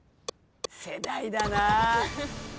世代だな。